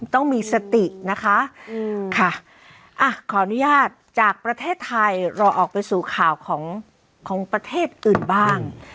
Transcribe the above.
ต้องมีสตินะคะค่ะอ่ะขออนุญาตจากประเทศไทยรอออกไปสู่ข่าวของประเทศอื่นบ้าง